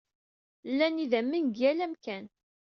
Llan yidammen deg yal amkan.